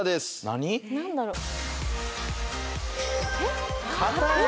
何だろう。